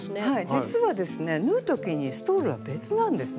実はですね縫う時にストールは別なんですね。